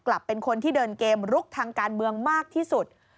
เป็นคนที่เดินเกมลุกทางการเมืองมากที่สุด